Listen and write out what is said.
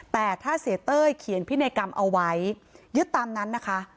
แต่ถ้าเสียเต้ยเขียนพินัยกรรมเอาไว้ยึดตามนั้นนะคะ